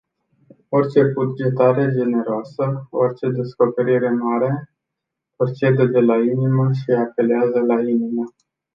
Orice cugetare generoasă, orice descoperire mare purcede de la inimă și apeleaza la inimă.